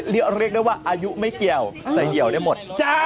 เรียกได้ว่าอายุไม่เกี่ยวใส่เดี่ยวได้หมด